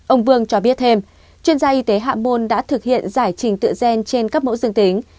ông vương cho biết thêm chuyên gia y tế hạ môn đã thực hiện giải trình tự gen trên các mẫu dương tính